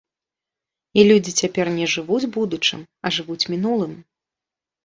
І людзі цяпер не жывуць будучым, а жывуць мінулым.